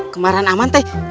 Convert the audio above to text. kemaran aman teh